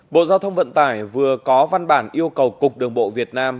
bộ giao thông vận tải vừa có văn bản yêu cầu cục đường bộ việt nam